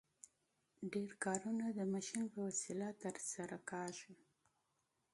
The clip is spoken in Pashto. ډېر کارونه د ماشین په وسیله ترسره کیږي.